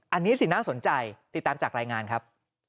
อันนี้สิน่าสนใจติดตามจากรายงานครับ